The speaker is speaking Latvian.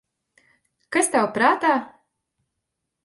Kas tev prātā?